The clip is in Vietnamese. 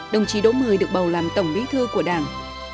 đồng chí đỗ mười được bầu làm tổng bí thư của đảng